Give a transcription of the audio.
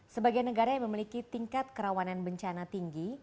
sebagai negara yang memiliki tingkat kerawanan bencana tinggi